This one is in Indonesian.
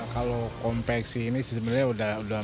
kalau konveksi ini sebenarnya sudah berubah